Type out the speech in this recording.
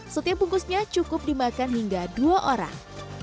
setiap bungkusnya cukup dimakan hingga dua orang